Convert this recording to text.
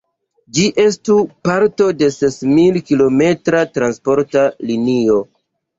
Ĝi estus parto de sesmil-kilometra transporta linio.